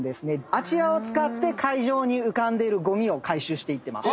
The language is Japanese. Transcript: あちらを使って海上に浮かんでるゴミを回収していってます。